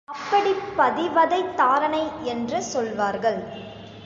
அப்படிப் பதி வதைத் தாரணை என்று சொல்வார்கள்.